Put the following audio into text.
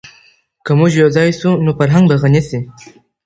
که موږ یو ځای سو نو فرهنګ به غني سي.